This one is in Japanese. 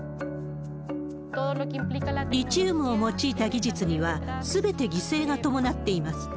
リチウムを用いた技術には、すべて犠牲が伴っています。